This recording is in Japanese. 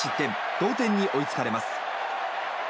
同点に追いつかれます。